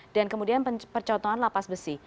dan kemudian percontohan lapas besi